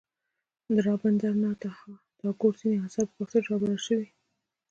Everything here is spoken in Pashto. د رابندر ناته ټاګور ځینې اثار په پښتو ژباړل شوي.